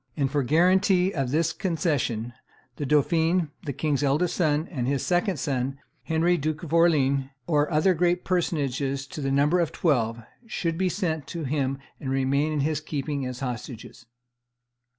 ... And for guarantee of this concession, the dauphin, the king's eldest son, and his second son, Henry, Duke of Orleans, or other great personages, to the number of twelve, should be sent to him and remain in his keeping as hostages."